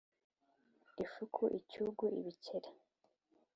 ifuku, icyugu, ibikeri ;